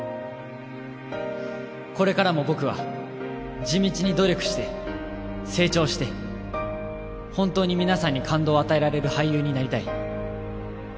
これからも僕は地道に努力して成長して本当に皆さんに感動を与えられる俳優になりたい。